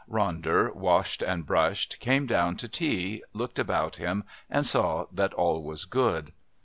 Ronder, washed and brushed, came down to tea, looked about him, and saw that all was good.